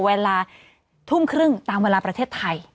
เวลาทุ่มครึ่งตามเวลาประเทศไทย